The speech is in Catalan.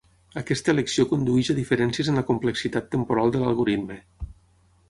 Aquesta elecció condueix a diferències en la complexitat temporal de l'algoritme.